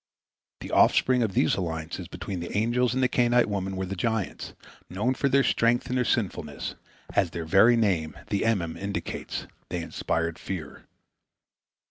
The offspring of these alliances between the angels and the Cainite women were the giants, known for their strength and their sinfulness; as their very name, the Emim, indicates, they inspired fear.